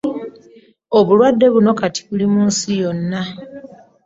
Obulwadde buno kati buli mu nsi yonna.